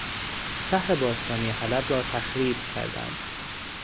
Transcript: شهر باستانی حلب را تخریب کردند